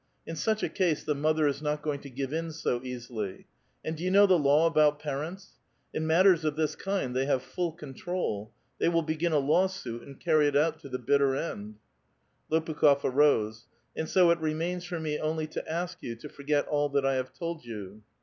In such a case the mother is not going to give in so easily. And do you know the law about par ents? In matters of this kind they have full control. They will begin a lawsuit, and caiTy it out to the bitter end." Lopukh6f arose. *' And so it remains for me only to ask you to forget all that I have told you."